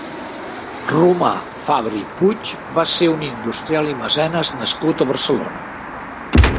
Romà Fabra i Puig va ser un industrial i mecenes nascut a Barcelona.